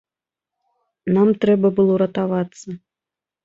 Нам трэба было ратавацца.